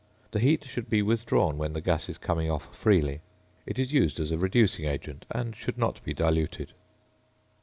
The heat should be withdrawn when the gas is coming off freely. It is used as a reducing agent, and should not be diluted.